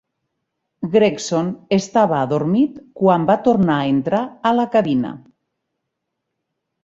Gregson estava adormit quan va tornar a entrar a la cabina.